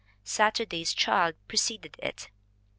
Saturday's Child preceded it.